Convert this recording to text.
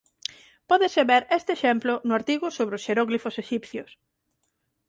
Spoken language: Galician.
Pódese ver este exemplo no artigo sobre os xeróglifos exipcios.